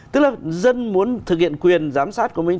tức là dân muốn thực hiện quyền giám sát của mình